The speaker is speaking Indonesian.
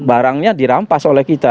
dan barangnya dirampas oleh kita